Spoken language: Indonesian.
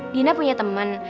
dina punya temen